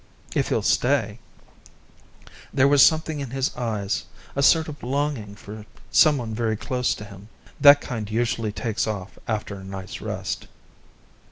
"If he'll stay. There was something in his eyes; a sort of longing for someone very close to him. That kind usually takes off after a night's rest."